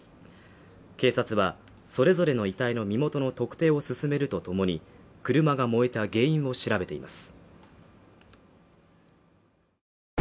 警察はそれぞれの遺体の身元の特定を進めるとともに、車が燃えた原因を調べています。